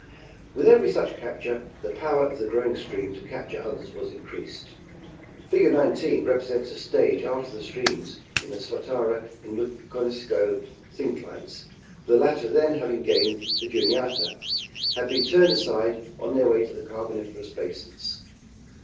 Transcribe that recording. With every such capture, the power of the growing stream to capture others was increased. Fig. 19 represents a stage after the streams in the Swatara and Wiconisco synclines (the latter then having gained the Juniata) had been turned aside on their way to the Carbon iferous basins.